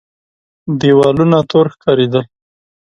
دېوالونه تور ښکارېدل.